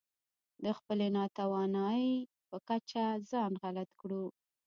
د خپلې ناتوانۍ په کچه ځان غلط کړو.